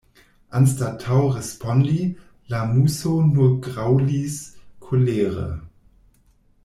Anstataŭ respondi, la Muso nur graŭlis kolere.